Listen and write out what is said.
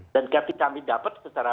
dan kira kira kami dapat secara